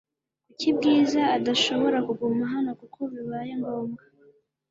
Kuki Bwiza adashobora kuguma hano kuko bibaye ngombwa